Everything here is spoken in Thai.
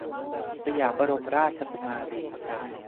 สยามบรมราชกุมารี